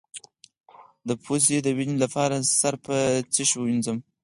د پوزې وینې لپاره سر په څه شي ووینځم؟